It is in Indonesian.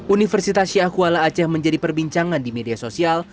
universitas syahkuala aceh menjadi perbincangan di media sosial